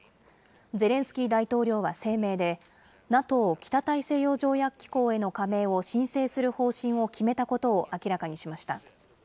ゼレンスキー大統領は声明で、ＮＡＴＯ・北大西洋条約機構への加盟を申請する方針を決めたことを明らかにしました。